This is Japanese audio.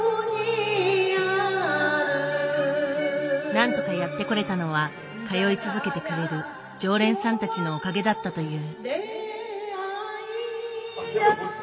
なんとかやってこれたのは通い続けてくれる常連さんたちのおかげだったという。